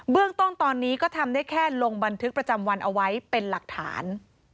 เรื่องต้นตอนนี้ก็ทำได้แค่ลงบันทึกประจำวันเอาไว้เป็นหลักฐาน